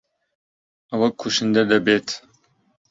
ئەوە کوشندە دەبێت.